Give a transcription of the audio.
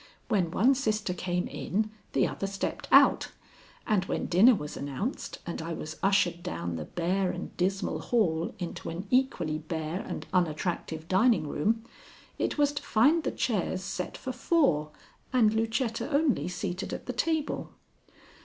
When one sister came in, the other stepped out, and when dinner was announced and I was ushered down the bare and dismal hall into an equally bare and unattractive dining room, it was to find the chairs set for four, and Lucetta only seated at the table.